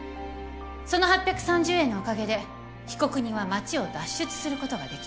その８３０円のおかげで被告人は町を脱出することができた。